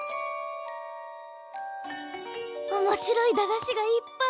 おもしろい駄菓子がいっぱい！